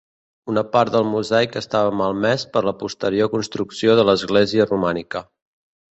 Una part del mosaic estava malmès per la posterior construcció de l'església romànica.